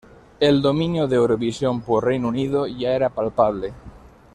El dominio de Eurovisión por Reino Unido ya era palpable.